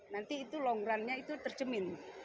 nanti itu long run nya itu tercemin